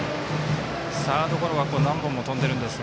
サードゴロは何本も飛んでいます。